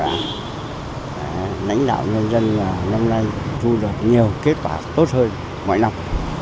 lãnh đạo nhân dân năm nay vui được nhiều kết quả tốt hơn mỗi năm